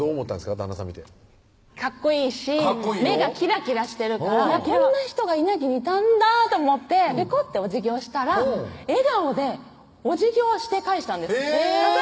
旦那さん見てかっこいいし目がキラキラしてるからこんな人が稲城にいたんだと思ってぺこっておじぎをしたら笑顔でおじぎをして返したんです私